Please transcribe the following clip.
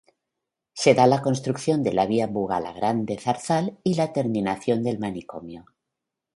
Se da la construcción de la vía Bugalagrande-Zarzal y la terminación del manicomio.